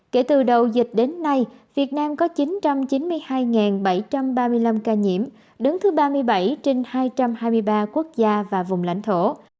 kể từ đầu dịch đến nay việt nam có chín trăm chín mươi hai bảy trăm ba mươi năm ca nhiễm đứng thứ ba mươi bảy trên hai trăm hai mươi ba quốc gia và vùng lãnh thổ